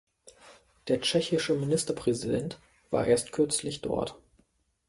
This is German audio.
Der tschechische Ministerpräsident war erst kürzlich dort.